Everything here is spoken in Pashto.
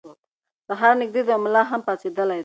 سهار نږدې دی او ملا هم پاڅېدلی دی.